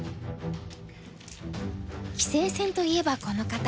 棋聖戦といえばこの方。